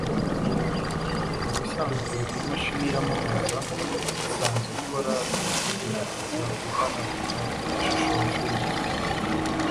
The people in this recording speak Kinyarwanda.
Mubisanzwe imashini yamamaza isanzwe ikora igerageza guhanagura ishusho ya Phillips